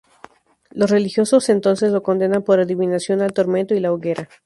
Los religiosos entonces lo condenan por adivinación al tormento y la hoguera.